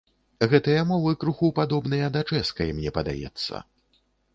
Гэтыя мовы крыху падобныя да чэшскай, мне падаецца.